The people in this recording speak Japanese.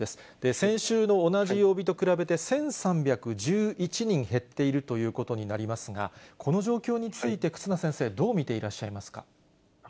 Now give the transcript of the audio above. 先週の同じ曜日と比べて、１３１１人減っているということになりますが、この状況について、忽那先生、どう見ていらっしゃいますか。